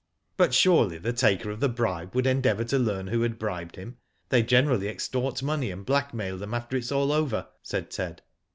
" But surely the taker of the bribe would endeavour to learn who had bribed him. They generally extort money and blackmail them after it is all over," said Ted.